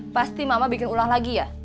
pasti mama bikin ulah lagi ya